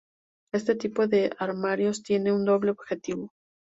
Este tipo de armarios tienen un doble objetivo.